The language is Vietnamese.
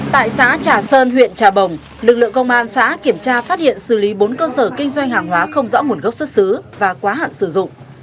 tại xã trà sơn huyện trà bồng lực lượng công an xã kiểm tra phát hiện xử lý bốn cơ sở kinh doanh hàng hóa không rõ nguồn gốc xuất xứ và quá hạn sử dụng